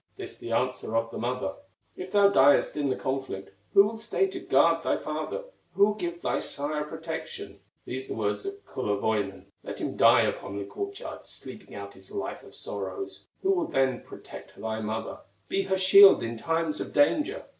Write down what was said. This the answer of the mother: "If thou diest in the conflict, Who will stay to guard thy father, Who will give thy sire protection?" These the words of Kullerwoinen: "Let him die upon the court yard, Sleeping out his life of sorrow!" "Who then will protect thy mother, Be her shield in times of danger?"